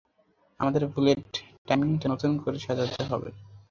আমাদের বুলেট টাইমিংটা নতুন করে সাজাতে হবে!